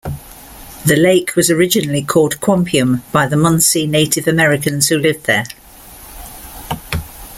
The lake was originally called "Quampium" by the Munsee Native Americans who lived there.